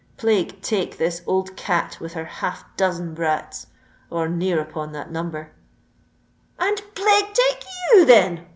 Plague take this old cat with her half dozen brats—or near upon that number——" "And plague take you, then!"